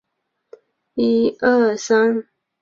长耳攀鼠属等之数种哺乳动物。